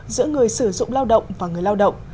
giữa người sử dụng lao động và người lao động